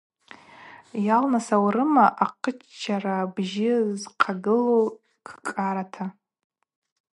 Йалныс аурыма ахъыччара бжьы зхъагылу кӏкӏарата?